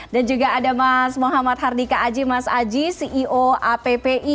dan juga ada mas muhammad hardika aji mas aji ceo appi